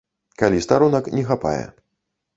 Калі старонак не хапае.